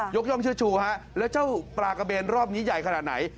ย่องเชื่อชูฮะแล้วเจ้าปลากระเบนรอบนี้ใหญ่ขนาดไหน